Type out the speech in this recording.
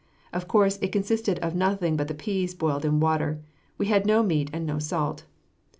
Of course, it consisted of nothing but the peas boiled in water. We had no meat and no salt.